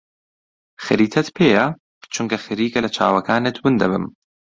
خەریتەت پێیە؟ چونکە خەریکە لە چاوەکانت ون دەبم.